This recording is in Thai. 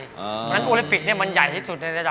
เพราะฉะนั้นโอลิปิกมันใหญ่ที่สุดในระดับ